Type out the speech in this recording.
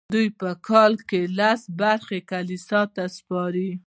دوی په کال کې لسمه برخه کلیسا ته سپارله.